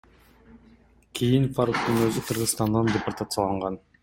Кийин Фаруктун өзү Кыргызстандан департацияланган.